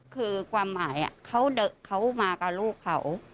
คือความหมายเขาเดอะเขามากับลูกเขา